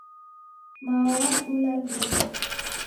Mao wanibula duhu.